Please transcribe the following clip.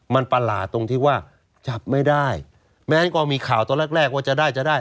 มันประหลาดตรงที่ว่าจับไม่ได้แม้ก็มีข่าวตอนแรกแรกว่าจะได้จะได้